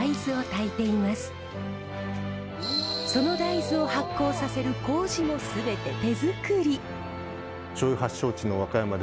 その大豆を発酵させるこうじも全て手づくり。